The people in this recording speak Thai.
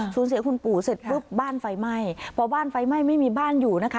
สูญเสียคุณปู่เสร็จปุ๊บบ้านไฟไหม้พอบ้านไฟไหม้ไม่มีบ้านอยู่นะคะ